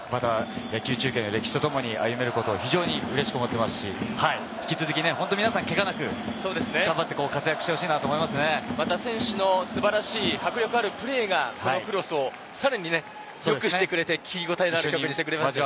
また野球中継の歴史と共に歩めることを非常に嬉しく思っていますし、引き続き皆さん、けがなく頑張って活躍してほしいなと思いま選手の素晴らしい、迫力あるプレーがこの『Ｃｒｏｓｓ』をさらに強くしてくれると思いますね。